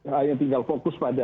hanya tinggal fokus pada